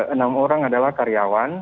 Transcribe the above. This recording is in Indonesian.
enam orang adalah karyawan